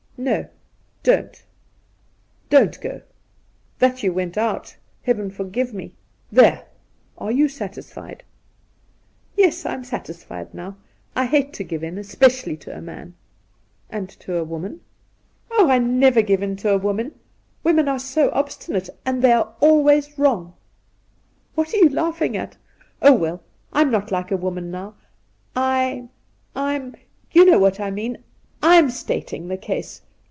' No, don't — don't go !" That you went out." Heaven forgive me ! There, are you satisfied ?'' Yes, I'm satisfied now. I hate to give in — especially to a man.' Induna Nairn 123 ' And to a woman ?'' Oh, I never give in to a woman. Women are so obstinate, and they're always wrong ! What are you laughing at ? Oh, well, I'm not like a woman now. I'm — you know what I mean — I'm stating the case.